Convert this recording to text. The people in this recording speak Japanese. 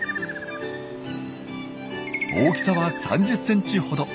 大きさは３０ｃｍほど。